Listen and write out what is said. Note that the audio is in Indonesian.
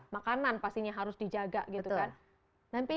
makanan pastinya harus dijaga gitu kan